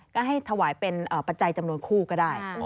ก็ให้ถวายเป็นปัจจัยจำนวนคู่ก็ได้